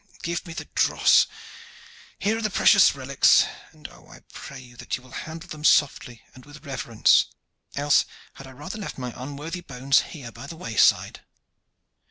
Give me the dross! Here are the precious relics, and, oh, I pray you that you will handle them softly and with reverence, else had I rather left my unworthy bones here by the wayside."